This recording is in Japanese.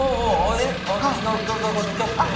日向坂のキャプテン？